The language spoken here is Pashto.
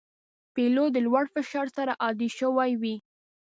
پیلوټ د لوړ فشار سره عادي شوی وي.